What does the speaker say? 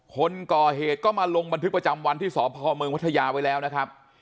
คนก่อเหตุก็มาลงบันทึกประจำวันที่สพเมืองพัทยาไว้แล้วนะครับ